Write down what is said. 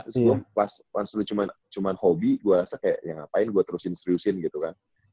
sebelum pas lu cuma hobi gue rasa kayak ya ngapain gue terusin seriusin gitu kan